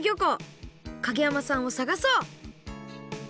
景山さんをさがそう！